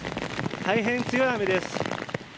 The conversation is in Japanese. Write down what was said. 大変、強い雨です。